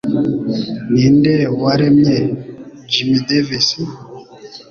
Ninde waremye Jim Davis?